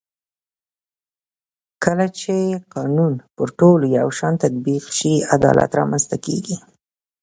کله چې قانون پر ټولو یو شان تطبیق شي عدالت رامنځته کېږي